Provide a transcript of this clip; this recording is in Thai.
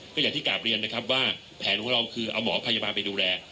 ก็อย่างที่กราบเรียนนะครับว่าแผนของเราคือเอาหมอพยาบาลไปดูแล